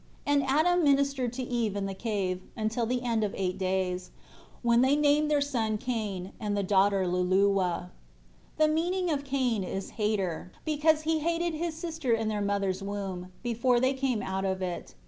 And Adam ministered to Eve in the cave, until the end of eight days; when they named the son Cain, and the daughter Luluwa. 7 The meaning of Cain is "hater," because he hated his sister in their mother's womb; before they came out of it.